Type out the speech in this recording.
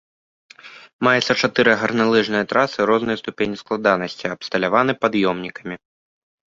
Маецца чатыры гарналыжныя трасы рознай ступені складанасці абсталяваны пад'ёмнікамі.